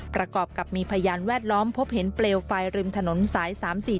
ประกอบกับมีพยานแวดล้อมพบเห็นเปลวไฟริมถนนสาย๓๔๔